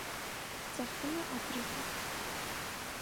Ծաղկում է ապրիիլին։